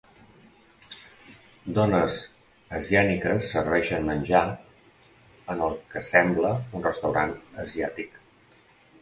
Dones asiàniques serveixen menjar en el que sembla un restaurant asiàtic.